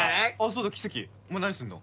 そうだキセキお前何すんの？